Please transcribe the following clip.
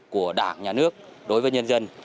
của đảng nhà nước đối với nhân dân